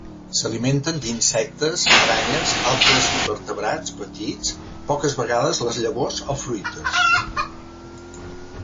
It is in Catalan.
S'alimenten d'insectes, aranyes, altres invertebrats petits, poques vegades les llavors o fruites.